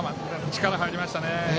力が入りましたね。